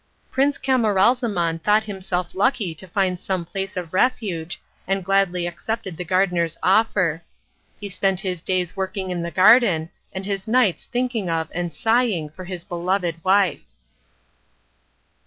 Prince Camaralzaman thought himself lucky to find some place of refuge, and gladly accepted the gardener's offer. He spent his days working in the garden, and his nights thinking of and sighing for his beloved wife.